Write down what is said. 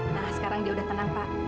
nah sekarang dia udah tenang pak